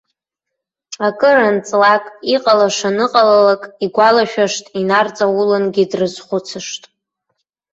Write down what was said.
Акыр анҵлак, иҟалаша аныҟалалак, игәалашәашт, инарҵаулангьы дрызхәыцышт.